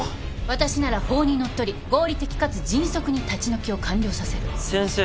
「私なら法にのっとり合理的かつ迅速に立ち退きを完了させる」「先生」